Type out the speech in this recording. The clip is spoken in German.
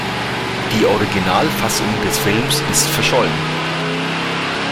Die Originalfassung des Films ist verschollen.